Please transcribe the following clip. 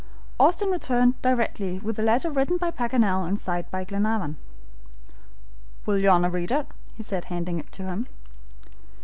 Austin returned directly with the letter written by Paganel and signed by Glenarvan. "Will your Honor read it?" he said, handing it to him.